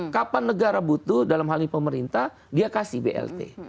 kapan negara butuh dalam hal ini pemerintah dia kasih blt